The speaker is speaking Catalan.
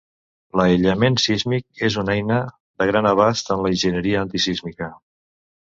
L'aïllament sísmic és una eina de gran abast de l'enginyeria antisísmica.